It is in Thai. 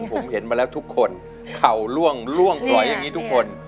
ผมเห็นมาแล้วทุกคนเข่าล่วงล่วงปล่อยอย่างนี้ทุกคน